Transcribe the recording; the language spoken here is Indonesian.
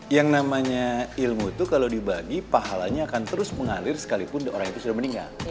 yang namanya ilmu itu kalau dibagi pahalanya akan terus mengalir sekalipun orang itu sudah meninggal